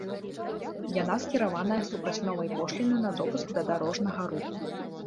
Яна скіраваная супраць новай пошліны на допуск да дарожнага руху.